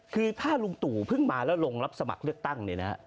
คือถ้าลุงตู่เพิ่งมาแล้วลงรับสมัครเลือกตั้งเนี่ยนะ